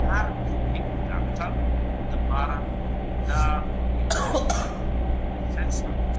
هغه څوک چي قلمان پاکوي روغ وي!.